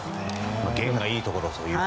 験がいいところと。